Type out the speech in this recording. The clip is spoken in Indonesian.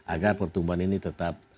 agar pertumbuhan ini tetap